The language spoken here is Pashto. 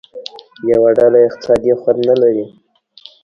یوه ډله اقتصادي خوند نه لري.